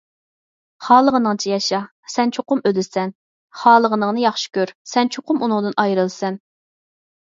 خالىغىنىڭچە ياشا، سەن چوقۇم ئۆلىسەن. خالىغىنىڭنى ياخشى كۆر، سەن چوقۇم ئۇنىڭدىن ئايرىلىسەن.